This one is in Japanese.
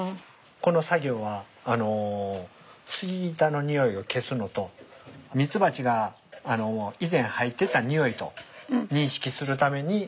この作業は杉板のにおいを消すのとミツバチが以前入ってたにおいと認識するために蜜ろうを塗ってます。